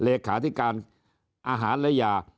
เลขาธิการอาหารและยา